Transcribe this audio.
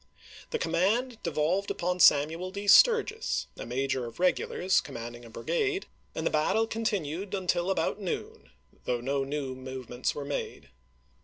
The command devolved upon Samuel D. Sturgis, a major of regulars, commanding a bri gade, and the battle continued until about noon, though no new movements were made.